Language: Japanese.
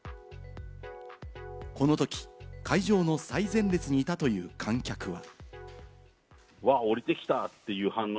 このとき、会場の最前列にいたという観客は。